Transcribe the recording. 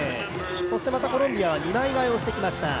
そしてまたコロンビアが二枚替えをしてきました。